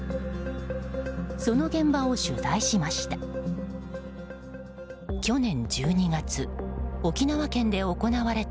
その現場を取材しました。